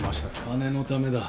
金のためだ。